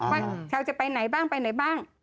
ว่าชาวจะไปไหนบ้างไปไหนบ้าง